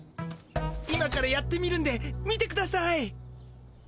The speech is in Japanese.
今からやってみるんで見てください。